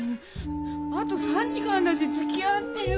あと３時間だしつきあってよ。